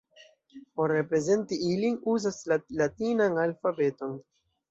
Por reprezenti ilin, uzas la latinan alfabeton.